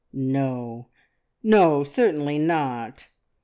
"No, no! Certainly not."